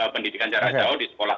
pendidikan jarak jauh di sekolah